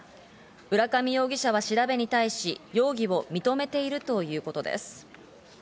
浦上容疑者は調べに対し容疑を認めているということです。